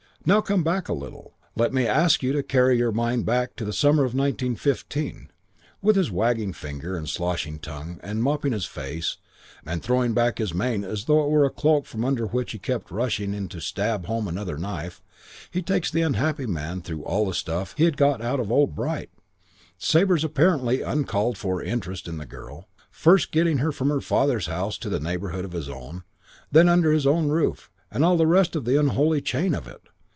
Now come back a little. Let me ask you to carry back your mind to the summer of 1915 , and with his wagging forefinger, and his sloshing tongue, and his mopping at his face, and his throwing back of his mane as though it were a cloak from under which he kept rushing in to stab home another knife, he takes the unhappy man through all the stuff he had got out of old Bright Sabre's apparently uncalled for interest in the girl, first getting her from her father's house to the neighbourhood of his own, then under his own roof, and all the rest of the unholy chain of it.